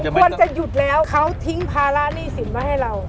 ควรจะหยุดแล้วเขาทิ้งภาระหนี้สินไว้ให้เรา